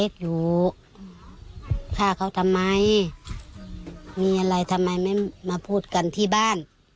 ฆ่าเขาทำไมมีอะไรทำไมไม่มาพูดกันที่บ้าน